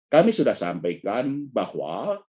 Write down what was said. kami sudah sampaikan bahwa